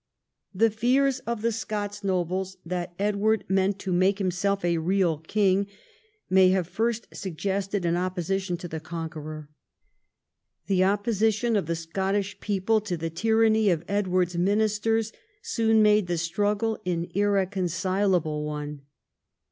The fears of the Scots nobles that Edward meant to make himself a real king may have first suggested an opposition to the conqueror. The opposition of the Scottish people to the tyranny of Edward's ministers soon made the struggle an irreconcilable one.